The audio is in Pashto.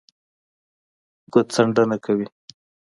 ګوتڅنډنه کوي